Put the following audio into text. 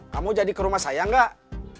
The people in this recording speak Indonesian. kamu jadi ke rumah saya enggak